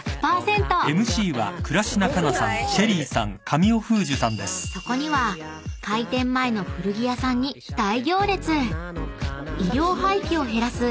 すごくない⁉［そこには開店前の古着屋さんに大行列］